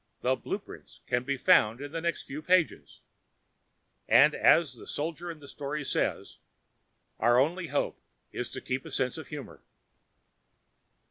The blueprint can be found in the next few pages; and as the soldier in the story says, our only hope is to keep a sense of humor!